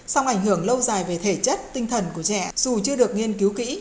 song ảnh hưởng lâu dài về thể chất tinh thần của trẻ dù chưa được nghiên cứu kỹ